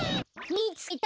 みつけた。